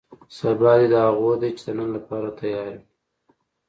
سبا دې هغو دی چې د نن لپاره تیار وي.